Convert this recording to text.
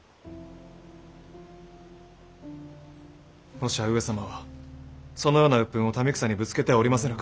もしや上様はそのような鬱憤を民草にぶつけてはおりませぬか。